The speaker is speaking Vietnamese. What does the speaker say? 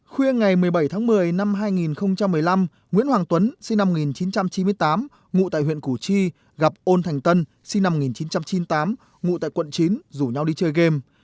khuya ngày một mươi bảy tháng một mươi năm hai nghìn một mươi năm nguyễn hoàng tuấn sinh năm một nghìn chín trăm chín mươi tám ngụ tại huyện củ chi gặp ôn thành tân sinh năm một nghìn chín trăm chín mươi tám ngụ tại quận chín rủ nhau đi chơi game